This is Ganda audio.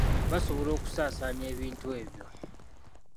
Basobola okusaasaanya ebintu ebyo